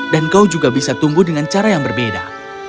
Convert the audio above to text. dan kau juga bisa tumbuh dengan cara yang berbeda